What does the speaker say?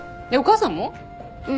うん。